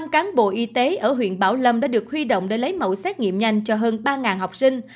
một trăm linh cán bộ y tế ở huyện bảo lâm đã được huy động để lấy mẫu xét nghiệm nhanh cho hơn ba học sinh